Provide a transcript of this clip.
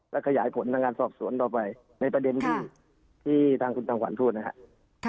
และขยายผลทางการสอบสวนต่อไปในประเด็นที่ทางคุณทางขวัญพูดนะครับ